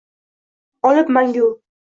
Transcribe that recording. Olib mangu